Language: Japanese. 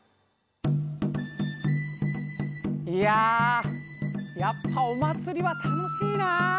いややっぱお祭りは楽しいな。